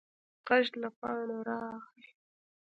غږ له پاڼو راغی.